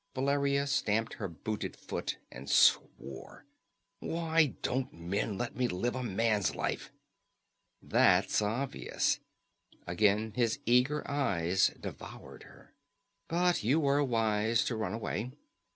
Valeria stamped her booted foot and swore. "Why won't men let me live a man's life?" "That's obvious!" Again his eager eyes devoured her. "But you were wise to run away.